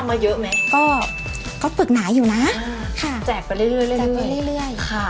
นายต้องทำมาเยอะไหมก็ก็ปือกหนาอยู่นะค่ะแจกไปเรื่อยแจกไปเรื่อยค่ะ